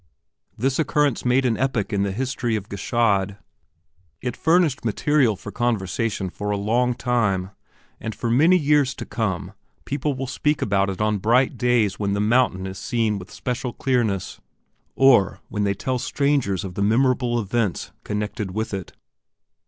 This occurrence made an epoch in the history of Gschaid. It furnished material for conversation for a long time; and for many years to come people will speak about it on bright days when the mountain is seen with especial clearness, or when they tell strangers of the memorable events connected with it.